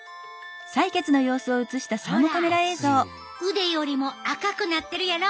腕よりも赤くなってるやろ。